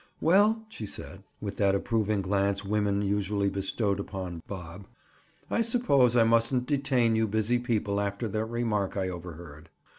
"Well," she said, with that approving glance women usually bestowed upon Bob, "I suppose I mustn't detain you busy people after that remark I overheard."